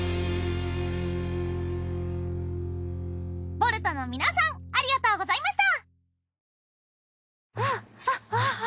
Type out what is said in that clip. Ｂ．Ｏ．Ｌ．Ｔの皆さんありがとうございました。